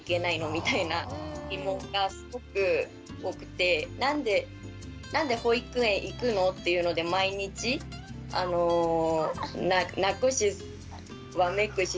みたいな疑問がすごく多くて「なんで保育園行くの？」っていうので毎日泣くしわめくしで結構大変だったんですね。